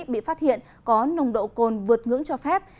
bị phát hiện có nồng độ cồn vượt ngưỡng cho phép